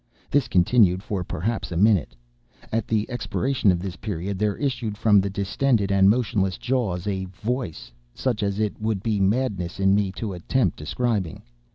This continued for perhaps a minute. At the expiration of this period, there issued from the distended and motionless jaws a voice—such as it would be madness in me to attempt describing.